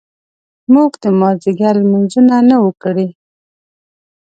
موږ د مازیګر لمونځونه نه وو کړي.